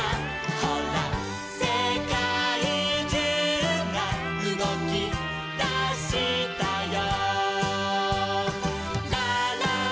「ほらせかいじゅうがうごきだしたよ」